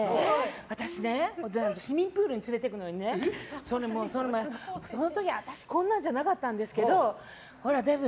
私、市民プールに連れていく時にその時、私こんなんじゃなかったんですけどほら、デブ。